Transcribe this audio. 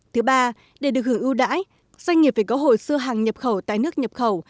thứ ba để được hưởng ưu đải doanh nghiệp phải có hồi xưa hàng nhập khẩu tại nước nhập khẩu